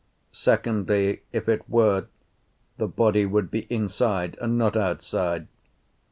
Secondly, if it were, the body would be inside and not outside.